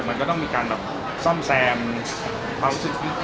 มันก็ต้องมีการแบบซ่อมแซม